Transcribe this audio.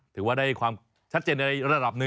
ถือว่าได้ความชัดเจนในระดับหนึ่ง